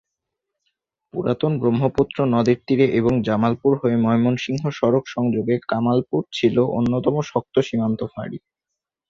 পুরাতন ব্রহ্মপুত্র নদের তীরে এবং জামালপুর হয়ে ময়মনসিংহ সড়ক সংযোগে কামালপুর ছিল অন্যতম শক্ত সীমান্ত ফাঁড়ি।